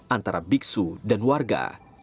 antara biksu dan warga